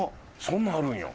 「そんなんあるんや」